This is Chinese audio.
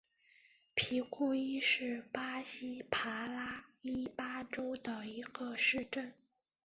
皮库伊是巴西帕拉伊巴州的一个市镇。